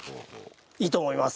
いいと思います。